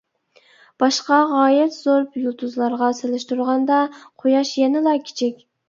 باشقا غايەت زور يۇلتۇزلارغا سېلىشتۇرغاندا، قۇياش يەنىلا كىچىك.